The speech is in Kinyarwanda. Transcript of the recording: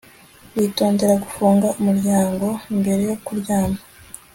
Witondere gufunga umuryango mbere yo kuryama